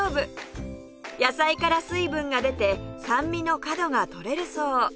野菜から水分が出て酸味の角が取れるそう